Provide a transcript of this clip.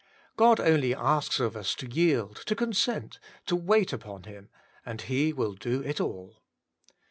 God only asks of us to yield, to consent, to wait upon Him, and He will do it all.